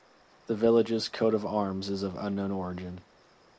The village's coat of arms is of unknown origin.